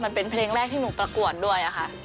มันเป็นเพลงแรกที่หนูประกวดด้วยค่ะ